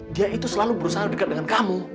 dia itu selalu berusaha dekat dengan kamu